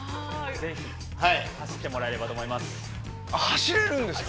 ◆ぜひ走ってもらえればと思います。